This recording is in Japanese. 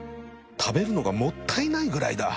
食べるのがもったいないぐらいだ